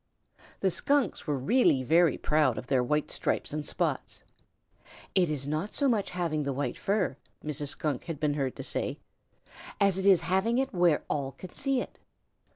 The Skunks were really very proud of their white stripes and spots. "It is not so much having the white fur," Mrs. Skunk had been heard to say, "as it is having it where all can see it.